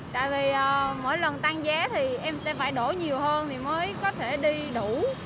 tại vì mỗi lần tăng giá thì em sẽ phải đổ nhiều hơn thì mới có thể đi đủ